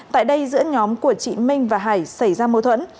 tại đây giữa nhóm của chị minh và hải xảy ra mâu thuẫn